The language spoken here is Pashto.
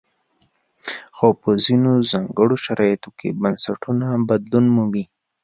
خو په ځینو ځانګړو شرایطو کې بنسټونه بدلون مومي.